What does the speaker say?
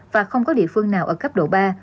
và không có địa phương nào ở cấp độ ba